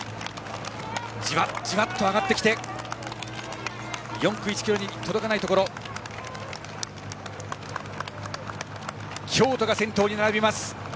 じわじわと上がってきて４区、１ｋｍに届かないところで京都が先頭に並びます。